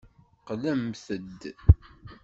Qqlemt-d.